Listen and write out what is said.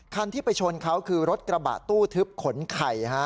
คันที่ไปชนเขาคือรถกระบะตู้ทึบขนไข่ฮะ